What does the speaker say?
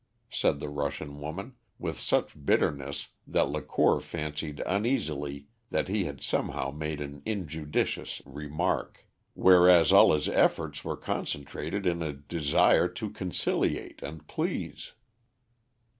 said the Russian woman, with such bitterness that Lacour fancied uneasily that he had somehow made an injudicious remark, whereas all his efforts were concentrated in a desire to conciliate and please.